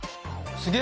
すげえ！